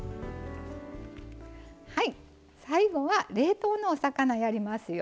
はい最後は冷凍のお魚やりますよ。